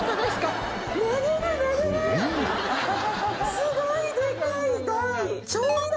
すごいでかい台。